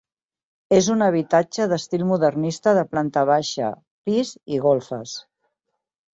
És un habitatge d'estil modernista de planta baixa, pis i golfes.